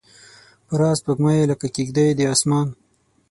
پوره سپوږمۍ لکه کیږدۍ د اسمان